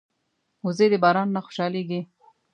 وزې د باران نه خوشحالېږي